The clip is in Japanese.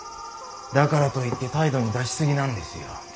だからといって態度に出し過ぎなんですよ。